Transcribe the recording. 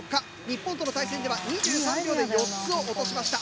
日本との対戦では２３秒で４つを落としました。